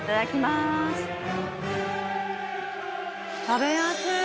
「食べやすい」。